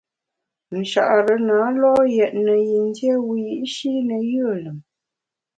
Nchare na lo’ yètne yin dié wiyi’shi ne yùe lùm.